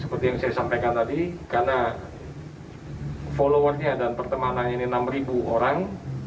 seperti yang saya sampaikan tadi karena followernya dan pertemanannya ini enam orang